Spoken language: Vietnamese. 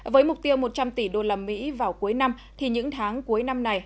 với mục tiêu một trăm linh tỷ đô la mỹ vào cuối năm thì những tháng cuối năm này